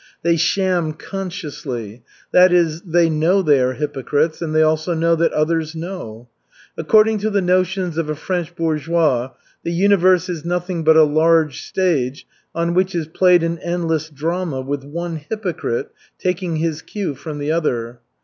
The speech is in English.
They sham consciously, that is they know they are hypocrites, and they also know that others know. According to the notions of a French bourgeois, the universe is nothing but a large stage on which is played an endless drama with one hypocrite taking his cue from the other.